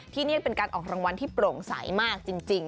ที่นี่เป็นการออกรางวัลที่โปร่งใสมากจริง